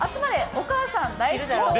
お母さん大好き党。